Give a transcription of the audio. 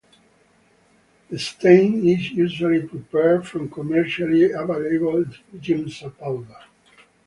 The stain is usually prepared from commercially available Giemsa powder.